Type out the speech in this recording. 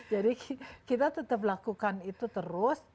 kita tetap lakukan itu terus